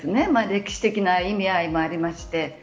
歴史的な意味合いもありまして